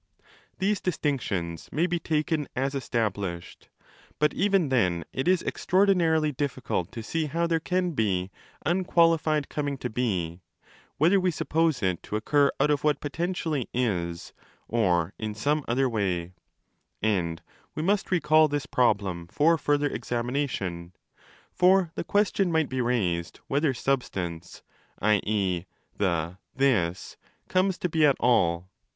These distinctions may be taken as established : but even then it is extraordinarily difficult to see how there can be 'unqualified coming to be' (whether we suppose it to occur 1 Physics A, 6 9. wi BOOK I. 3 317° out of what potentially 'is', or in some other way), and we 20 _ must recall this problem for further examination. For the question might be raised whether substance (i.e. the ' this') comes to be at all.